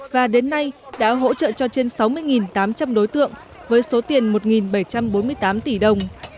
và đến nay đã hỗ trợ cho trên sáu mươi tám trăm linh đối tượng với số tiền một bảy trăm bốn mươi tám tỷ đồng